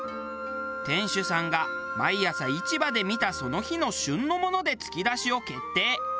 店主さんが毎朝市場で見たその日の旬のものでつきだしを決定。